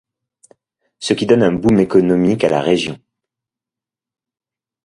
Ce qui donne un boom économique à la région.